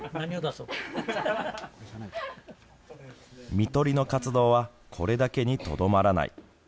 みとりの活動はこれだけにとどまらない。